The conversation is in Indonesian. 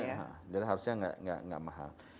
nah jadi harusnya nggak mahal